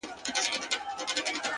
• اور د میني بل نه وي بورا نه وي ,